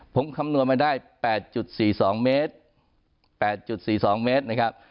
ผมคำนวณมาได้แปดจุดสี่สองเมตรแปดจุดสี่สองเมตรนะครับ